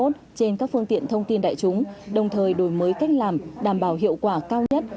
trên các phương tiện thông tin đại chúng đồng thời đổi mới cách làm đảm bảo hiệu quả cao nhất